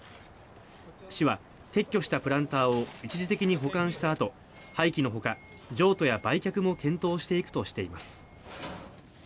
市は撤去したプランターを一時的に保管したあと廃棄のほか譲渡や売却も検討していくとしています。